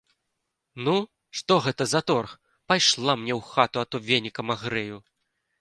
Ну, што гэта за торг, пайшла мне ў хату, а то венікам агрэю.